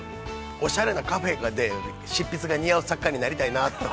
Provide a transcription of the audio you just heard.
おしゃれなカフェでの執筆が似合う作家になりたいなと。